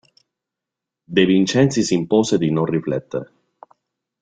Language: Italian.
De Vincenzi s'impose di non riflettere.